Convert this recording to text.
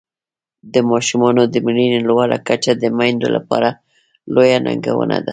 د ماشومانو د مړینې لوړه کچه میندو لپاره لویه ننګونه ده.